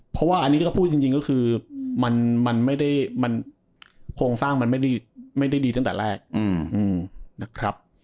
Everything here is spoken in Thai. เพราะว่าอันนี้ก็พูดจริงก็คือโพงสร้างไม่ได้ดีตั้งแต่แรก